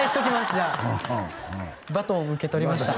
じゃあバトン受け取りました